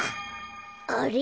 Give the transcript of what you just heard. あれ？